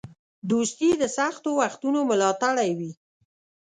دوستي د سختو وختونو ملاتړی وي.